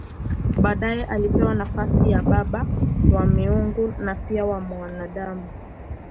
Baadaye alipewa nafasi ya baba wa miungu na pia wa wanadamu.